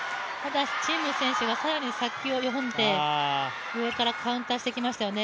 陳夢選手は更に先を読んで、上からカウンターしてきましたよね。